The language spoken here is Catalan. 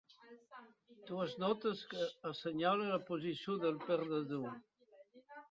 Dues notes que assenyalen la posició del perdedor.